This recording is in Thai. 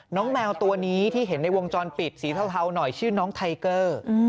แมวตัวนี้ที่เห็นในวงจรปิดสีเทาหน่อยชื่อน้องไทเกอร์